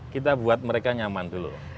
kita buat mereka nyaman dulu